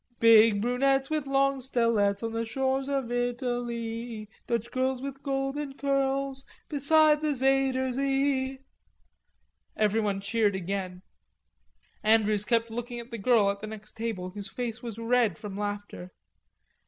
"Big brunettes with long stelets On the shores of Italee, Dutch girls with golden curls Beside the Zuyder Zee..." Everybody cheered again; Andrews kept looking at the girl at the next table, whose face was red from laughter.